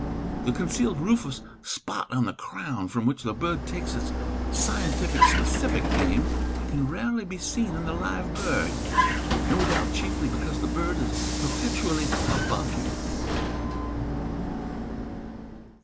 The concealed rufous spot on the crown, from which the bird takes its scientific specific name, can rarely be seen in the live bird, no doubt chiefly because the bird is perpetually above you.